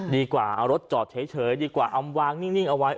ดีกว่าเอารถจอดเฉยดีกว่าอำวางนิ่งเอาไว้